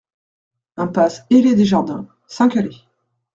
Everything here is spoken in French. Impasse Hellé-Desjardins, Saint-Calais